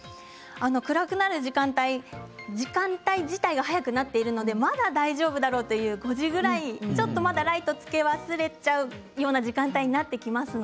暗くなる時間帯自体が早くなっているのでまだ大丈夫だろうという５時ぐらいはライトをつけ忘れてしまう時間帯になります。